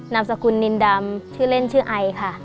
นามสกุลนินดำชื่อเล่นชื่อไอค่ะ